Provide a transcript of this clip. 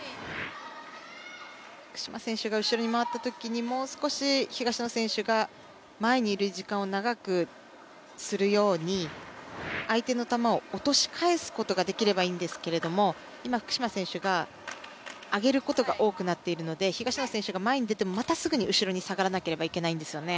福島選手が後ろに回ったときにもう少し、東野選手が前にいる時間を長くするように相手の球を落とし返すことができればいいんですけど今、福島選手が上げることが多くなっているので東野選手が前に出てもまたすぐに後ろに下がらなければいけないんですよね。